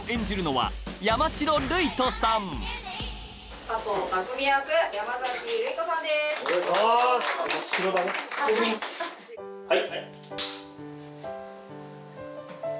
はい。